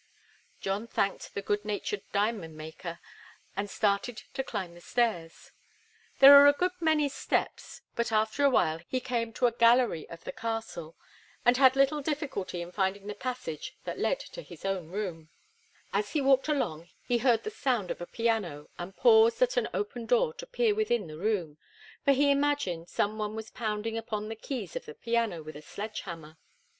John thanked the good natured diamond maker and started to climb the stairs. There were a good many steps, but after a while he came to a gallery of the castle, and had little difficulty in finding the passage that led to his own room. [Illustration: THE MUSICIAN THREW HIMSELF UPON THE PIANO] As he walked along he heard the sound of a piano, and paused at an open door to peer within the room, for he imagined some one was pounding upon the keys of the piano with a sledge hammer.